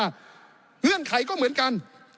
เงื่อนไขก็เหมือนกัน